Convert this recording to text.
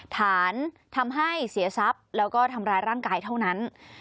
ฐานทำให้เสียทรัพย์แล้วก็ทำร้ายร่างกายเท่านั้น